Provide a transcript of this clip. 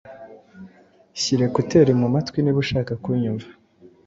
Shyira ekuteri ku matwi niba ushaka kunyumva